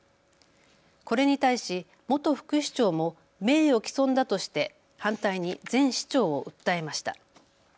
これに対し元副市長も名誉毀損だとして反対に前市長を訴えました。